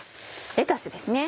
レタスですね。